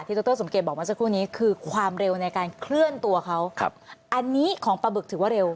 ดรสมเกตบอกมาสักครู่นี้คือความเร็วในการเคลื่อนตัวเขาครับอันนี้ของปลาบึกถือว่าเร็ว